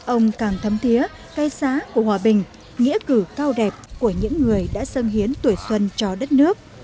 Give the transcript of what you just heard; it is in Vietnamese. ông càng thấm thiế cây xá của hòa bình nghĩa cử cao đẹp của những người đã sân hiến tuổi xuân cho đất nước